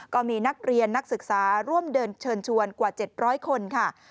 ก็มีนักเรียนนักศึกษาร่วมเดินเชิญชวนกว่า๗๐๐คนค่ะ